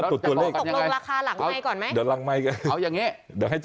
ตกลงราคาหลังไมค์ก่อนไหม